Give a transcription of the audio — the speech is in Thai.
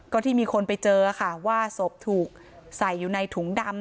ก็ที่มีคนไปเจอค่ะว่าศพถูกใส่อยู่ในถุงดำ